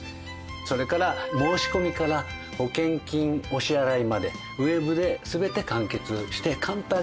それから申し込みから保険金お支払いまでウェブで全て完結して簡単に申し込めます。